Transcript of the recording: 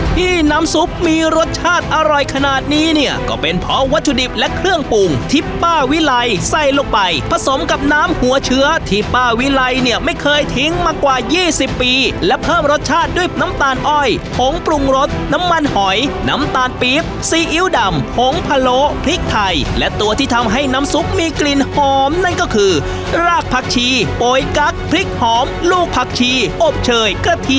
ที่น้ำซุปมีรสชาติอร่อยขนาดนี้เนี่ยก็เป็นเพราะวัตถุดิบและเครื่องปรุงที่ป้าวิไลใส่ลงไปผสมกับน้ำหัวเชื้อที่ป้าวิไลเนี่ยไม่เคยทิ้งมากว่า๒๐ปีและเพิ่มรสชาติด้วยน้ำตาลอ้อยผงปรุงรสน้ำมันหอยน้ำตาลปี๊บซีอิ๊วดำผงพะโลพริกไทยและตัวที่ทำให้น้ำซุปมีกลิ่นหอมนั่นก็คือรากผักชีโปยกั๊กพริกหอมลูกผักชีอบเชยกระเทีย